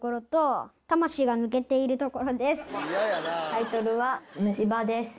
タイトルは。